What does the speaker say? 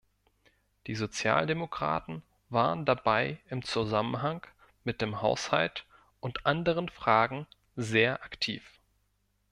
Die Sozialdemokraten waren dabei im Zusammenhang mit dem Haushalt und anderen Fragen sehr aktiv.